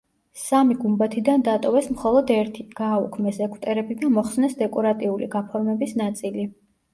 სამი გუმბათიდან დატოვეს მხოლოდ ერთი, გააუქმეს ეგვტერები და მოხსნეს დეკორატიული გაფორმების ნაწილი.